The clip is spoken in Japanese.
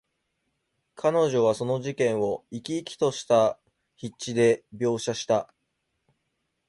彼女はその事件を、生き生きとした筆致で描写した。